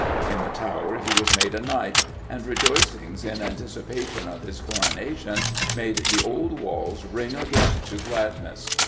In the Tower he was made a knight, and rejoicings in anticipation of his coronation made the old walls ring again to gladness.